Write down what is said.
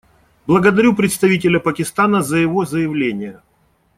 Благодарю представителя Пакистана за его заявление.